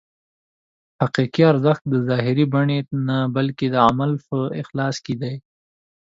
حقیقي ارزښت د ظاهري بڼې نه بلکې د عمل په اخلاص کې دی.